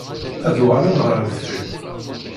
Ad uɣalen ɣer deffir.